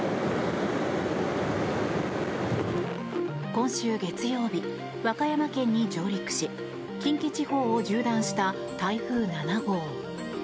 今週月曜日、和歌山県に上陸し近畿地方を縦断した台風７号。